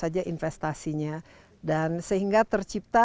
tentangan kita ini sudah jadi sudah barcelona